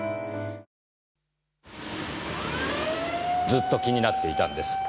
ずっと気になっていたんです。